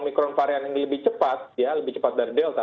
omikron varian ini lebih cepat ya lebih cepat dari delta